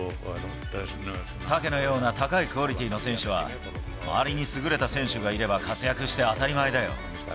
タケのような高いクオリティーの選手は、周りに優れた選手がいれば活躍して当たり前だよ。